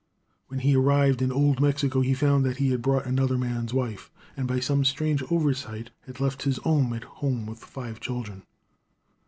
When he arrived in old Mexico he found that he had brought another man's wife, and by some strange oversight had left his own at home with five children.